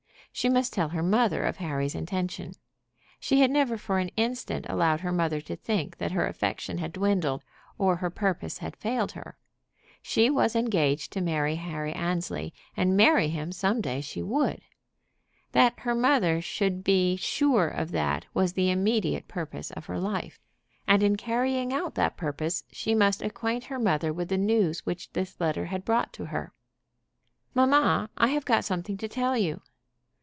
She must tell her mother of Harry's intention. She had never for an instant allowed her mother to think that her affection had dwindled, or her purpose failed her. She was engaged to marry Harry Annesley, and marry him some day she would. That her mother should be sure of that was the immediate purpose of her life. And in carrying out that purpose she must acquaint her mother with the news which this letter had brought to her. "Mamma, I have got something to tell you."